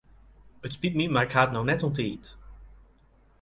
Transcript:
It spyt my mar ik ha it no net oan tiid.